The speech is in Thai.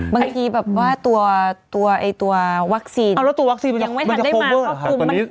บางทีตัววัคซีนยังไม่ทันได้มาความกลุ่มมันกายพันธุ์อีก